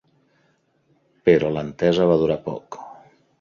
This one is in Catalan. Però l'entesa va durar poc.